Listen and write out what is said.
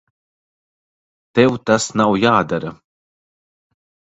Tev tas nav jādara.